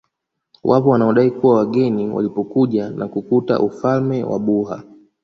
Wapo wanaodai kuwa wageni walipokuja na kukuta ufalme wa Buha